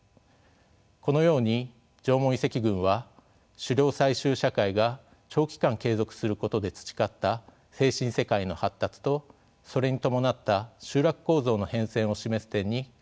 このように縄文遺跡群は狩猟採集社会が長期間継続することで培った精神世界の発達とそれに伴った集落構造の変遷を示す点に価値があるのです。